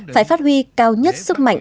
phải phát huy cao nhất sức mạnh